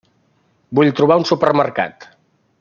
Vull trobar un supermercat.